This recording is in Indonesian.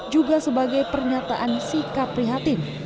juga sebagai pernyataan sikap prihatin